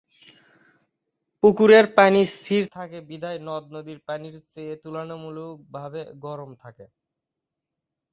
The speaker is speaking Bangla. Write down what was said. পুকুরের পানি স্থির থাকে বিধায় নদ-নদীর পানির চেয়ে তুলনামূলকভাবে গরম থাকে।